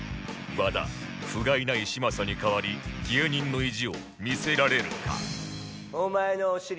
和田ふがいない嶋佐に代わり芸人の意地を見せられるか